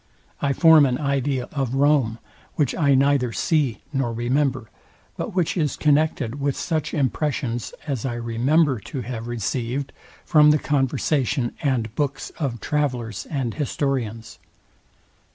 I form an idea of ROME, which I neither see nor remember; but which is connected with such impressions as I remember to have received from the conversation and books of travellers and historians.